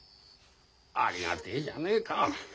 ありがてえじゃねえか。